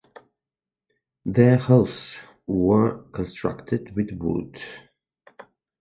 Their hulls were constructed with wood.